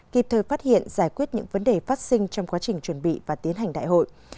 kịp thời phát hiện giải quyết những vấn đề phát sinh trong quá trình chuẩn bị và tiến hành đại hội